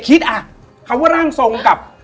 และยินดีต้อนรับทุกท่านเข้าสู่เดือนพฤษภาคมครับ